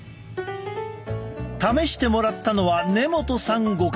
試してもらったのは根本さんご家族。